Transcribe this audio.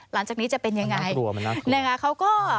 หลังจากนี้จะเป็นอย่างไรนะครับเขาก็มันน่ากลัว